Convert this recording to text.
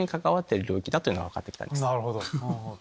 なるほど。